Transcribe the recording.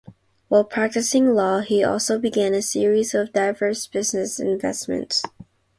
While practicing law, he also began a series of diverse business investments.